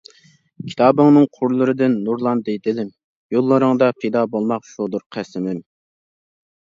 كىتابىڭنىڭ قۇرلىرىدىن نۇرلاندى دىلىم، يوللىرىڭدا پىدا بولماق شۇدۇر قەسىمىم.